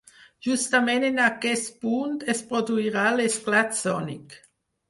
Justament en aquest punt es produirà l'esclat sònic.